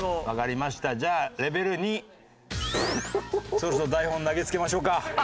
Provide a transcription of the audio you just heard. そろそろ台本投げつけましょうか。